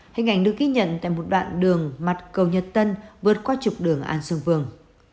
hình ảnh được ghi nhận tại một đoạn đường mặt cầu nhật tân vượt qua trục đường an xuân vương